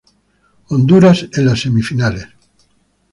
Honduras en las semifinales.